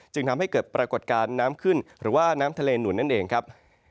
จึงทำให้เกิดปรากฏการณ์น้ำขึ้นหรือว่าน้ำทะเลหนุนนั่นเองครับ